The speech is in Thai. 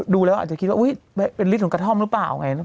ดูแล้วอาจจะคิดว่าอุ๊ยเป็นฤทธของกระท่อมหรือเปล่าไง